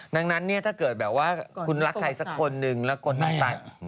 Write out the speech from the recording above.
ดังนั้นเนี่ยถ้าเกิดแบบว่าคุณรักใครสักคนนึงแล้วคนตาย